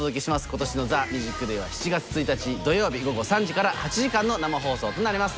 今年の『ＴＨＥＭＵＳＩＣＤＡＹ』は７月１日土曜日午後３時から８時間の生放送となります